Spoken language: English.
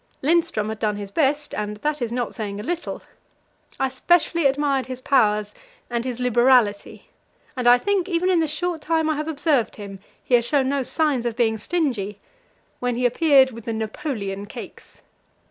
Lindström had done his best, and that is not saying a little. I specially admired his powers and his liberality and I think, even in the short time I have observed him, he has shown no sign of being stingy when he appeared with the "Napoleon" cakes.